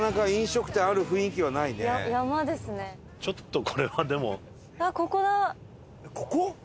ちょっとこれはでも。